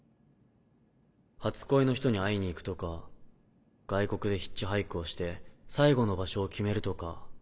初恋の人に会いに行くとか外国でヒッチハイクをして最期の場所を決めるとか。